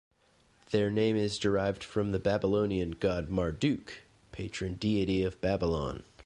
Their name is derived from the Babylonian god Marduk, patron deity of Babylon.